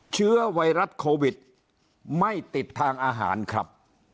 เชื้อไวรัสโควิดไม่ติดทางอาหารครับ